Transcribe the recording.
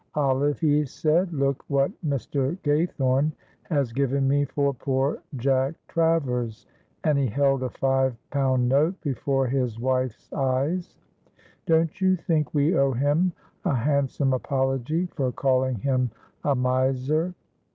"Olive," he said, "look what Mr. Gaythorne has given me for poor Jack Travers," and he held a five pound note before his wife's eyes. "Don't you think we owe him a handsome apology for calling him a miser?